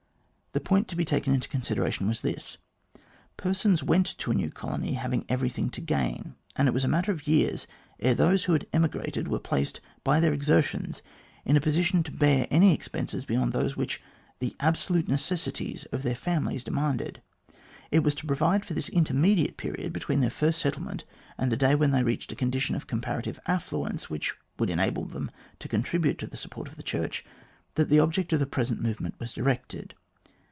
The point to be taken into consideration was this. Persons went to a new colony having everything to gain, and it was a matter of years ere those who had emigrated were placed by their exertions in a position to bear any expenses beyond those which the absolute necessities of their families demanded. It was to provide for this intermediate period between their first settlement and the day when they reached a condition of comparative affluence which would enable them to contribute to the support of the Church, that the object of the present movement was directed.